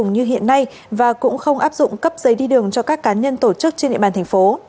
như hiện nay và cũng không áp dụng cấp giấy đi đường cho các cá nhân tổ chức trên địa bàn thành phố